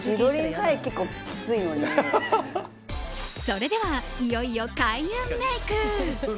それでは、いよいよ開運メイク。